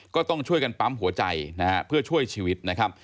ก็ต้องช่วยกันปั๊มหัวใจนะฮะเพื่อช่วยชีวิตนะครับ